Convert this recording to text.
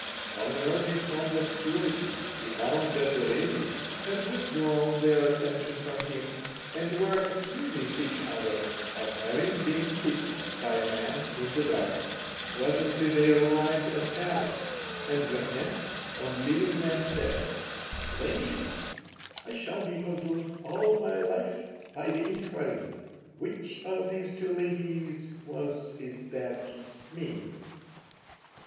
On emerging from the obscurity he found that the ladies had withdrawn their attention from him, and were accusing each other of having been kissed by a man in the dark. Presently they arrived at Paris, and Vernet, on leaving them, said: "Ladies, I shall be puzzled all my life by the inquiry, which of these two ladies was it that kissed me?"